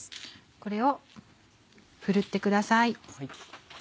これをふるってください。